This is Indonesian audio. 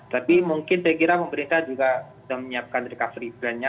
tapi mungkin saya kira pemerintah juga sudah menyiapkan recovery brandnya